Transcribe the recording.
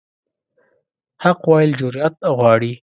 حق ویل جرأت غواړي.